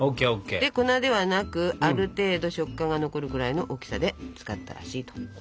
粉ではなくある程度食感が残るくらいの大きさで使ったらしいと。